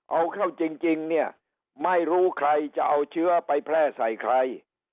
เอาเข้าจริงเนี่ยไม่รู้ใครจะเอาเชื้อไปแพร่ใส่ใคร